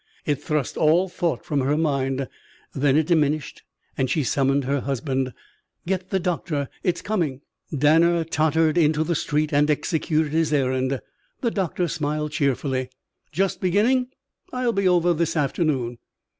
It thrust all thought from her mind. Then it diminished and she summoned her husband. "Get the doctor. It's coming." Danner tottered into the street and executed his errand. The doctor smiled cheerfully. "Just beginning? I'll be over this afternoon."